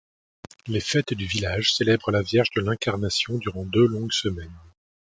Les fêtes du village célèbrent la Vierge de l'Incarnation durant deux longues semaines.